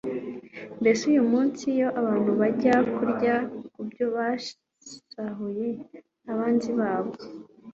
mbese uyu munsi, iyo abantu bajya kurya ku byo basahuye abanzi babo